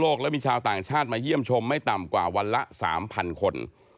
และมีชาวต่างชาติมาเยี่ยมชมไม่ต่ำกว่าวันละ๓๐๐คน